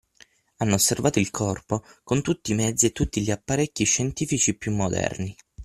Hanno osservato il corpo con tutti i mezzi e tutti gli apparecchi scientifici più moderni.